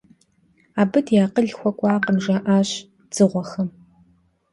Абы ди акъыл хуэкӀуакъым, - жаӀащ дзыгъуэхэм.